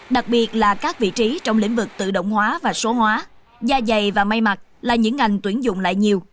đặc biệt là các vị trí trong lĩnh vực tự động hóa và số hóa da dày và may mặt là những ngành tuyển dụng lại nhiều